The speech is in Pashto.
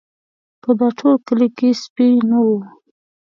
په دا ټول کلي کې سپی نه و.